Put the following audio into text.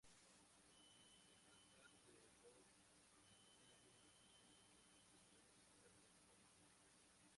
El texto actual, dado que contiene algunas repeticiones y contradicciones, no sería el original.